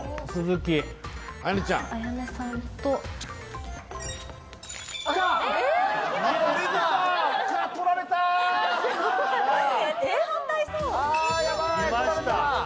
きました。